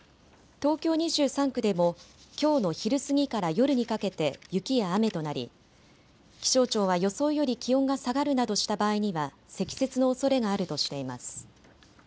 東京２３区でもきょうの昼過ぎから夜にかけて雪や雨となり気象庁は予想より気温が下がるなどした場合には積雪のおそれがあるとしています。